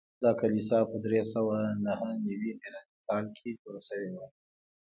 دا کلیسا په درې سوه نهه نوي میلادي کال کې جوړه شوې وه.